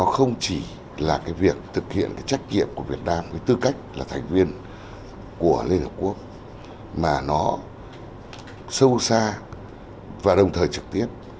thứ hai là thực hiện cái trách nhiệm của việt nam với tư cách là thành viên của liên hợp quốc mà nó sâu xa và đồng thời trực tiếp